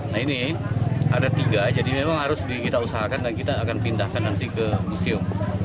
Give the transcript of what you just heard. nah ini ada tiga jadi memang harus kita usahakan dan kita akan pindahkan nanti ke museum